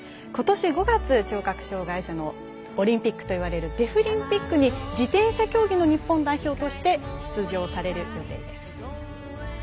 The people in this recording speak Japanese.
ことし５月、聴覚障がい者のオリンピックと呼ばれるデフリンピックに自転車競技の日本代表として出場される予定です。